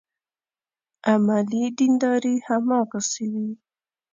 عملي دینداري هماغسې وي.